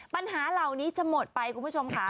ปัญหาเหล่านี้จะหมดไปคุณผู้ชมค่ะ